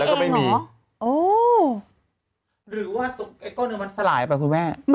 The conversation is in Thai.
หรือว่าตรงไก้ต้นเนื้อมันสลายไปคุณแม่